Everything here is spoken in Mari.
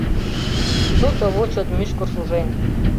Дотово чот мӱшкыр шужен...